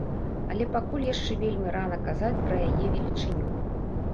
Але пакуль яшчэ вельмі рана казаць пра яе велічыню.